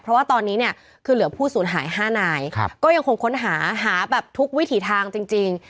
เพราะว่าตอนนี้เนี่ยคือเหลือผู้สูญหาย๕นายก็ยังคงค้นหาหาแบบทุกวิถีทางจริง